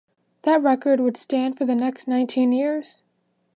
That record would stand for the next nineteen years.